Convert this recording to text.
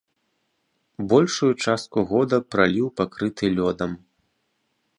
Большую частку года праліў пакрыты лёдам.